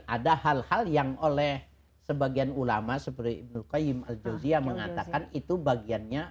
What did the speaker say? ada hal hal yang oleh sebagian ulama seperti ibnu qayim al juzia mengatakan itu bagiannya